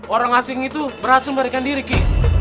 orang asing itu berhasil memberikan diri